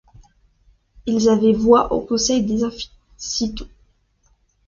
Ils avaient voix au conseil des Amphictyons.